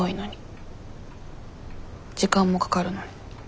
時間もかかるのに。